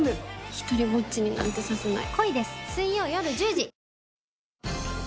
独りぼっちになんてさせない。